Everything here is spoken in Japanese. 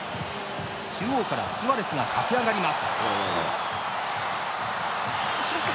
中央からスアレスがかけ上がります。